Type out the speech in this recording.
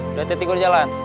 udah tetik gue jalan